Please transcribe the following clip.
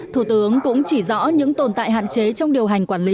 thủ tướng cũng chỉ rõ những tồn tại hạn chế trong điều hành quản lý